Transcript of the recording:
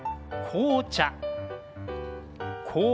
紅茶。